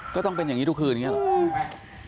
ก็ต้องเป็นอย่างนี้ทุกคืนอย่างนี้หรอ